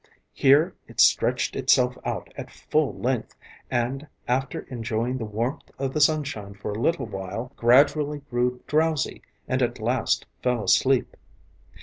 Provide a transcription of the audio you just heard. Here it stretched itself out at full length, and after enjoying the warmth of the sunshine for a little while, gradually grew drowsy and at last fell asleep.